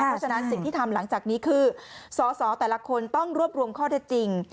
เพราะฉะนั้นสิ่งที่ทำหลังจากนี้คือสอสอแต่ละคนต้องรวบรวมข้อเท็จจริง